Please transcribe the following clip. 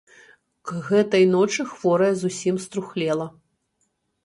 К гэтай ночы хворая зусім струхлела.